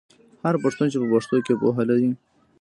هر پښتون چې په پښتو کې پوهه لري.